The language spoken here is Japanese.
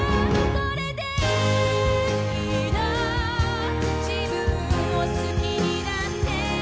これでいいの自分を好きになって